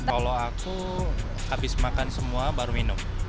kalau aku habis makan semua baru minum